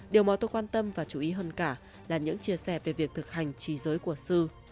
điều mà tôi quan tâm và chú ý hơn cả là những chia sẻ về việc thực hành trí giới của sư